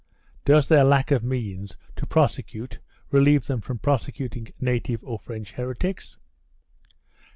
Does their lack of means to prosecute relieve them from prosecuting native or French heretics